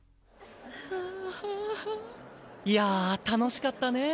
いやあ楽しかったね！